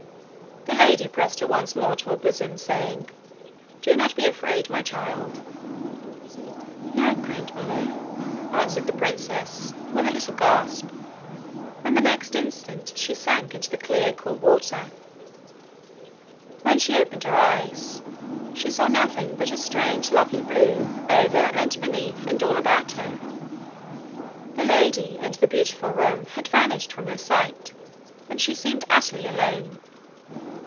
The lady pressed her once more to her bosom, saying: 'Do not be afraid, my child.' 'No, grandmother,' answered the princess, with a little gasp; and the next instant she sank in the clear cool water. When she opened her eyes, she saw nothing but a strange lovely blue over and beneath and all about her. The lady, and the beautiful room, had vanished from her sight, and she seemed utterly alone.